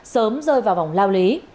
sớm rơi vào vòng lao lý